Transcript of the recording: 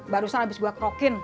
barusan abis gua krokin